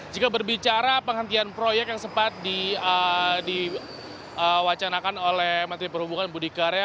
jika berbicara penghentian proyek yang sempat diwacanakan oleh menteri perhubungan budi karya